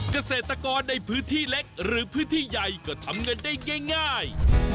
เกษตรกรในพื้นที่เล็กหรือพื้นที่ใหญ่ก็ทำเงินได้ง่าย